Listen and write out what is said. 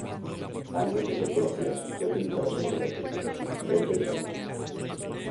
Antes de ser conocida, ya utilizaba su nombre artístico, Velvet d'Amour.